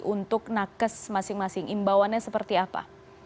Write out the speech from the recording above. untuk nakes masing masing imbauannya seperti apa